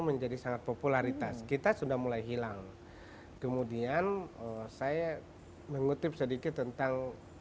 menjadi sangat popularitas kita sudah mulai hilang kemudian saya mengutip sedikit tentang